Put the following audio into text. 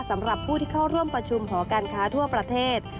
สำหรับผู้ที่เข้าร่วมประชุมหอการค้าทั่วประเทศ